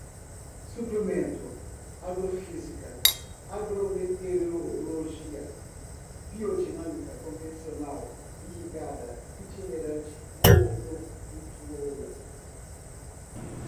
suplemento, agrofísica, agrometeorologia, biodinâmica, convencional, irrigada, itinerante, monocultora